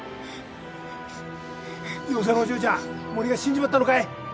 妖精のお嬢ちゃん森が死んじまったのかい？